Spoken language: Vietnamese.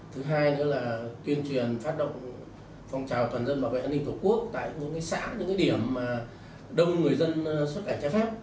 thứ hai nữa là tuyên truyền phát động phong trào toàn dân bảo vệ an ninh tổ quốc tại những xã những điểm đông người dân xuất cảnh trái phép